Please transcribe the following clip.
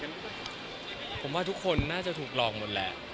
ผมว่าทุกคนน่าจะถูกลองหมดแหละ